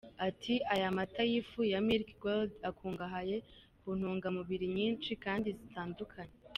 Ati “Aya mata y’ifu ya Milky Gold akungahaye ku ntungamubiri nyinshi kandi zitandukanye.